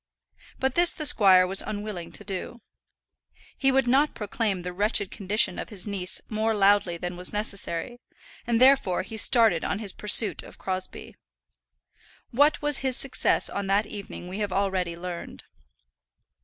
But this the squire was unwilling to do. He would not proclaim the wretched condition of his niece more loudly than was necessary, and therefore he started on his pursuit of Crosbie. What was his success on that evening we have already learned.